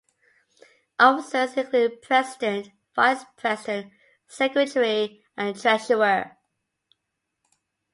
Officers include a president, vice-president, secretary and treasurer.